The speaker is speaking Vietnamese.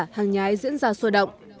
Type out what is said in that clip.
hàng nhái diễn ra sôi động